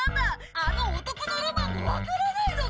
あの男のロマンがわからないのか？